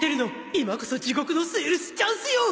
今こそ地獄のセールスチャンスよ！